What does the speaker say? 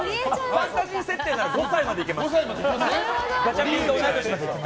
ファンタジー設定なら５歳までいけます。